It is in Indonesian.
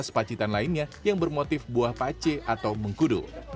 khususnya batik saji khas pacitan lainnya yang bermotif buah pace atau mengkudu